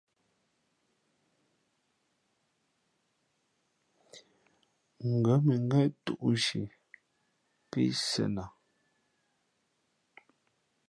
Ngα̌ mʉngén tūꞌ nshi pí sēn a.